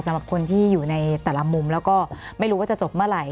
สำหรับคนที่อยู่ในแต่ละมุมแล้วก็ไม่รู้ว่าจะจบเมื่อไหร่